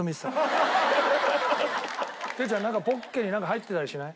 哲ちゃんポッケになんか入ってたりしない？